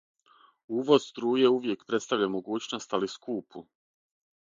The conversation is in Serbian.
Увоз струје увијек представља могућност, али скупу.